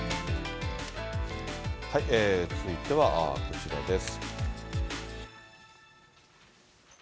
続いてはこちらです。